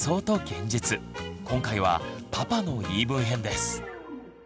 今回は「パパの言い分編」です。